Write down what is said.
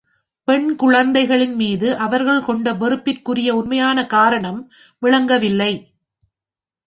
பெண் குழந்தைகளின் மீது அவர்கள் கொண்ட வெறுப்பிற்குரிய உண்மையான காரணம் விளங்கவில்லை.